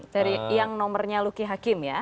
dari yang nomornya luki hakim ya